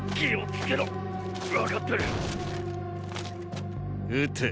分かってる！